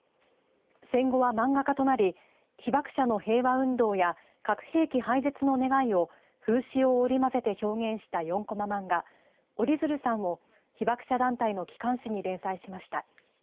戦後は漫画家となり被爆者の平和運動や核兵器廃絶の願いを風刺を織り交ぜて表現した４コマ漫画おり鶴さんを被爆者団体の機関誌に連載しました。